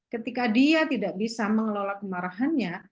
ketika dia tidak bisa mengelola kemarahannya